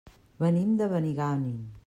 Venim de Benigànim.